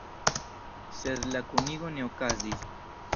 Sed la kunigo ne okazis.